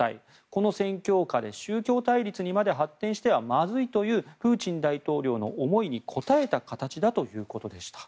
この戦況下で宗教対立にまで発展してはまずいというプーチン大統領の思いに応えた形だということでした。